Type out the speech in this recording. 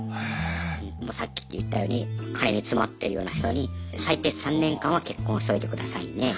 もうさっき言ったように金に詰まってるような人に最低３年間は結婚しといてくださいね。